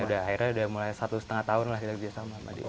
udah akhirnya udah mulai satu setengah tahun lah kita kerjasama sama dia